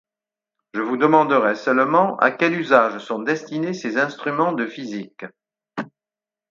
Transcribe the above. Je vous demanderai seulement à quel usage sont destinés ces instruments de physique…